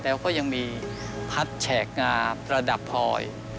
แล้วก็ยังมีพัดแฉกงาประดับพลอย